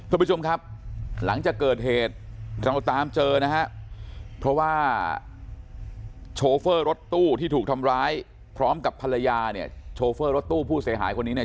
เราตามเจอเพราะว่าโชเฟอร์รถตู้ที่ถูกทำร้ายพร้อมกับภรรยาโชเฟอร์รถตู้ผู้เสียหายคนนี้